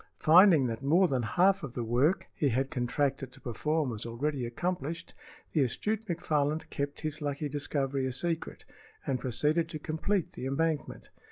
Finding that more than half of the work he had contracted to perform was already accomplished, the astute McFarland kept his lucky discovery a secret and proceeded to complete the embankment.